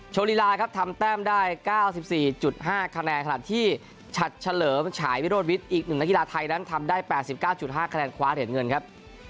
โลลีลาครับทำแต้มได้๙๔๕คะแนนขณะที่ฉัดเฉลิมฉายวิโรธวิทย์อีก๑นักกีฬาไทยนั้นทำได้๘๙๕คะแนนคว้าเหรียญเงินครับ